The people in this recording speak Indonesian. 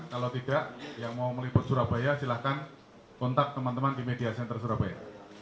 kalau tidak yang mau meliput surabaya silahkan kontak teman teman di media center surabaya